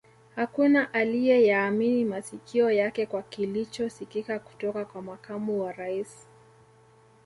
Hakuna aliye yaamini masikio yake kwa kilicho sikika kutoka kwa Makamu wa Rais